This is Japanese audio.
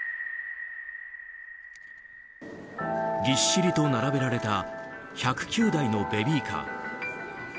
ぎっしりと並べられた１０９台のベビーカー。